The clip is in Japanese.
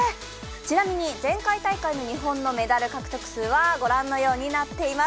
ちなみに前回大会の日本のメダル獲得数はご覧のようになっています。